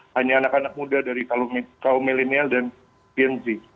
hanya anak anak muda dari kaum milenial dan genci